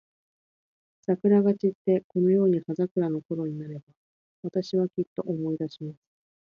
桜が散って、このように葉桜のころになれば、私は、きっと思い出します。